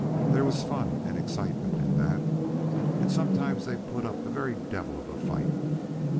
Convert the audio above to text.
There was fun and excitement in that, and sometimes they put up the very devil of a fight.